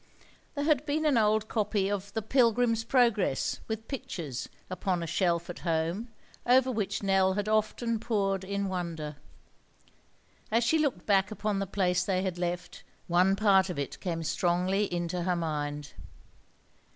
There had been an old copy of the "Pilgrim's Progress," with pictures, upon a shelf at home, over which Nell had often pored in wonder. As she looked back upon the place they had left, one part of it came strongly into her mind.